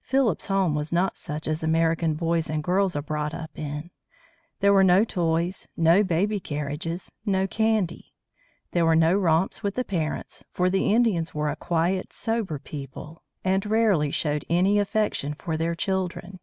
Philip's home was not such as American boys and girls are brought up in. There were no toys, no baby carriages, no candy. There were no romps with the parents, for the Indians were a quiet, sober people, and rarely showed any affection for their children.